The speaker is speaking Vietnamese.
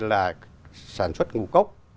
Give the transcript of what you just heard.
là sản xuất ngũ cốc